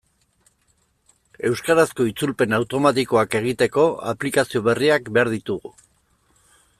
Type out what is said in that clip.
Euskarazko itzulpen automatikoak egiteko aplikazio berriak behar ditugu.